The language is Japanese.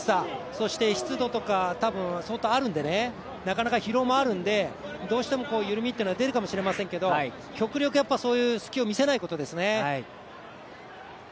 そして湿度とか、相当あるのでなかなか、疲労もあるのでどうしても緩みっていうのは出るかもしれませんが極力、そういう隙を見せないことですよね。